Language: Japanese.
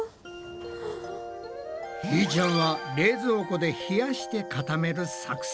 ひーちゃんは冷蔵庫で冷やして固める作戦。